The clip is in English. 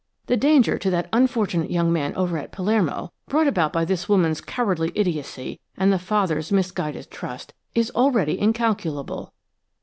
The danger to that unfortunate young man over at Palermo, brought about by this woman's cowardly idiocy and the father's misguided trust, is already incalculable."